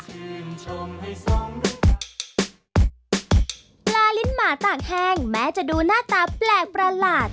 ลิ้นปลาลิ้นหมาตากแห้งแม้จะดูหน้าตาแปลกประหลาด